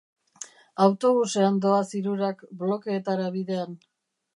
Autobusean doaz hirurak Blokeetara bidean.